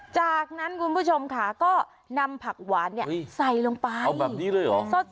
จากนั้นคุณผู้ชมค่ะก็นำผักหวานเนี่ยใส่ลงไปเอาแบบนี้เลยเหรอ